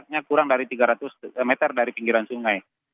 jaraknya kurang dari tiga ratus meter dari pinggiran sungai